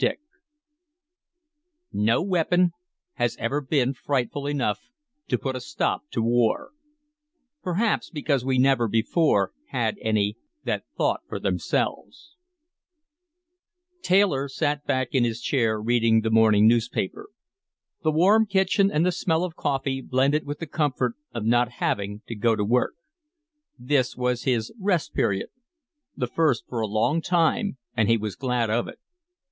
DICK Illustrated by EMSH _No weapon has ever been frightful enough to put a stop to war perhaps because we never before had any that thought for themselves!_ Taylor sat back in his chair reading the morning newspaper. The warm kitchen and the smell of coffee blended with the comfort of not having to go to work. This was his Rest Period, the first for a long time, and he was glad of it.